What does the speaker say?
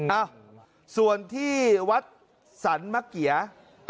เอ้าส่วนที่วัดสรรมะเกีย